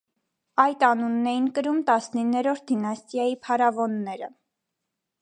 Այդ անունն էին կրում տասնիններորդ դինաստիայի փարավոնները։